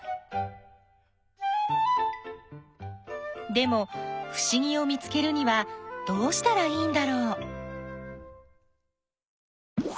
でもふしぎを見つけるにはどうしたらいいんだろう？